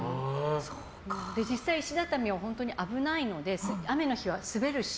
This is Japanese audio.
実際、石畳は本当に危ないので雨の日は滑るし。